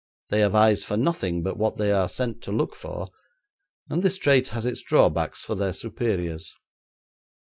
They have eyes for nothing but what they are sent to look for, and this trait has its drawbacks for their superiors.